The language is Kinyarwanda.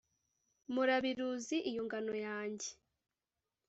Murabiruzi iyi ngano yanjye